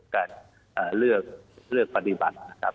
การเลือกปฏิบัตินะครับ